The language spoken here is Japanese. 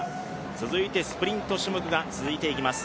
続いてスプリント種目が続いていきます。